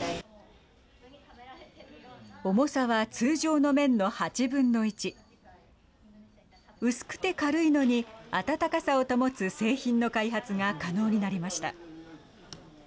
重さは通常の綿の８分の１。薄くて軽いのに暖かさを保つ製品の開発が可能になりました。